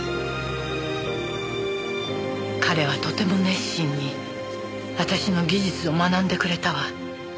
彼はとても熱心に私の技術を学んでくれたわ。